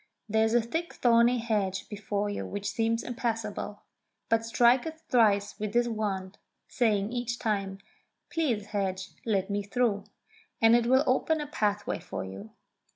There is a thick thorny hedge before you which seems impassable. But strike it thrice with this wand, saying each time, * Please, hedge, let me through,' and it will open a pathway for you.